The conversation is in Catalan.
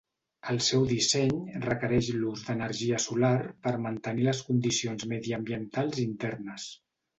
El seu disseny requereix l'ús d'energia solar per mantenir les condicions mediambientals internes.